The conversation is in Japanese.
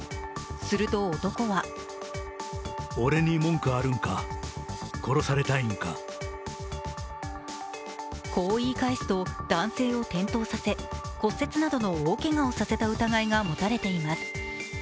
すると男はこう言い返すと男性を転倒させ骨折などの大けがをさせた疑いが持たれています。